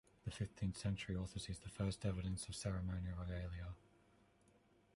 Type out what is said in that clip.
The fifteenth century also sees the first evidence of ceremonial regalia.